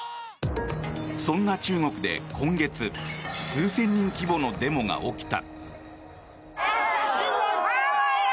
そんな中国で今月数千人規模のデモが起きた。